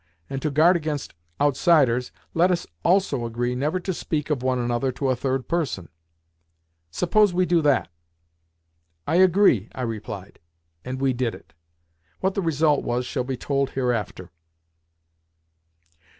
And, to guard against outsiders, let us also agree never to speak of one another to a third person. Suppose we do that?" "I agree," I replied. And we did it. What the result was shall be told hereafter.